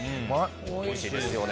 おいしいですよね。